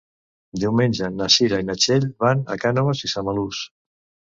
Diumenge na Cira i na Txell van a Cànoves i Samalús.